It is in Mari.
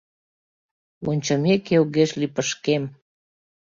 Вончымеке, огеш лий пышкем.